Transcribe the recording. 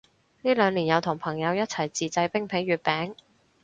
呢兩年有同朋友一齊自製冰皮月餅